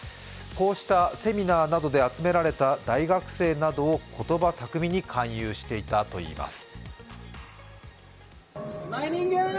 こうしたセミナーなどで集められた大学生などを言葉巧みに勧誘していたといいます。